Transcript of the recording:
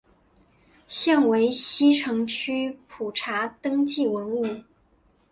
现为西城区普查登记文物。